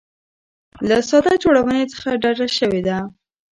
له ساده جوړونې څخه ډډه شوې ده.